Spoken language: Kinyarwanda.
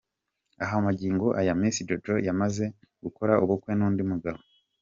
Aho magingo aya Miss Jojo yamaze gukora ubukwe n’ undi mugabo.